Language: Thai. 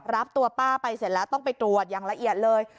รับตัวป้าไปเสร็จแล้วต้องไปตรวจอย่างละเอียดเลย